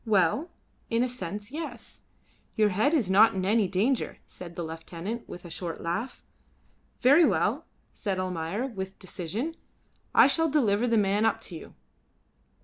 "Well, in a sense yes. Your head is not in any danger," said the lieutenant, with a short laugh. "Very well," said Almayer, with decision, "I shall deliver the man up to you."